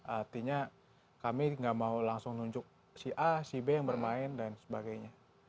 artinya kami nggak mau langsung nunjuk si a si b yang bermain dan sebagainya